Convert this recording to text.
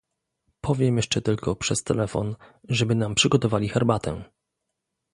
"Powiem jeszcze tylko przez telefon, żeby nam przygotowali herbatę."